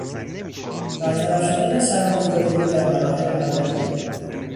برطرف شدن سرماخوردگی در مراحل اولیه